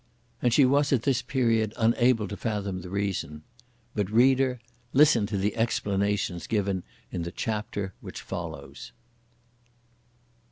And she was at this period unable to fathom the reason. But, reader, listen to the explanations given in the chapter which follows.